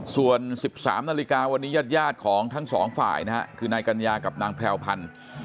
ส่วน๑๓นาฬิกาวันนี้ญาติของทั้งสองฝ่ายนะฮะคือนายกัญญากับนางแพรวพันธ์